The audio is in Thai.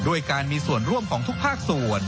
ด้วยการมีส่วนร่วมของทุกภาคส่วน